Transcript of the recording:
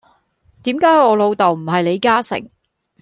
點解我老竇唔係李嘉誠